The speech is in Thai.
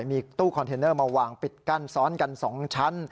มีตู้คอนเทนเนอร์มาวางปิดกั้นซ้อนกัน๒ชั้น